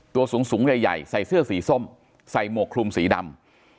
ตัวสูงใหญ่ใส่เสื้อสีส้มใส่หมวกคลุมสีดำ